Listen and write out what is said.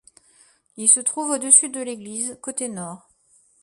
Il se trouve au-dessus de l'église, côté nord.